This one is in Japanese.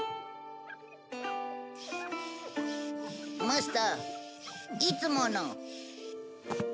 マスターいつもの。